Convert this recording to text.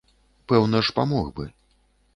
Пэўна ж памог бы.